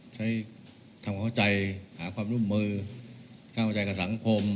ใช้ทำความเข้าใจหาความร่วมมือเข้าใจกับสังคม